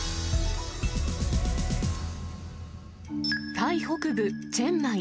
タイ北部チェンマイ。